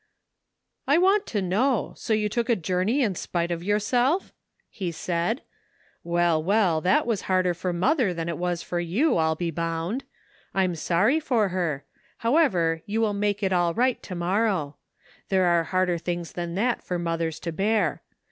"I want to know! So you took a journey in spite of yourself?" he said. "Well, well, that was harder for mother than it was for you, ril be bound. I'm sorry for her; however, you will make it all right to morrow. There are harder things than that for mothers to bear.